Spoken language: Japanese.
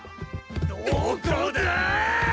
どこだ！